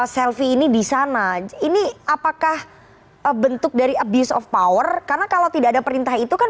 selfie ini di sana ini apakah bentuk dari abuse of power karena kalau tidak ada perintah itu kan